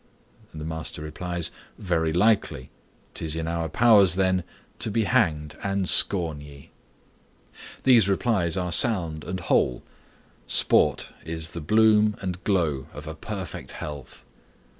Master. Very likely, 'Tis in our powers, then, to be hanged, and scorn ye. These replies are sound and whole. Sport is the bloom and glow of a perfect health.